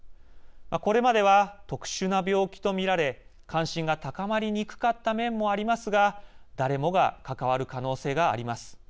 これまでは、特殊な病気と見られ関心が高まりにくかった面もありますが誰もが関わる可能性があります。